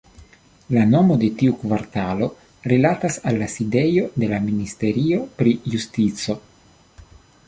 La nomo de tiu kvartalo rilatas al la sidejo de la Ministerio pri Justico.